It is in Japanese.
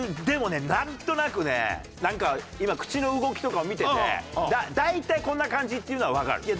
でもねなんとなくねなんか今口の動きとかを見てて大体こんな感じっていうのはわかる。